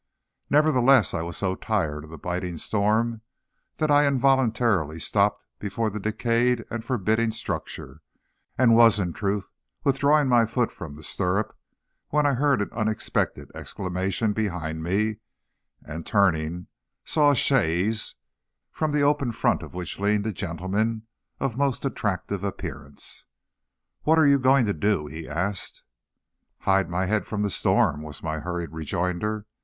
Nevertheless, I was so tired of the biting storm that I involuntarily stopped before the decayed and forbidding structure, and was, in truth, withdrawing my foot from the stirrup, when I heard an unexpected exclamation behind me, and turning, saw a chaise, from the open front of which leaned a gentleman of most attractive appearance. "What are you going to do?" he asked. "Hide my head from the storm," was my hurried rejoinder.